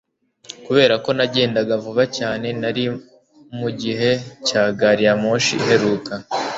Kubera ko nagendaga vuba cyane nari mugihe cya gari ya moshi iheruka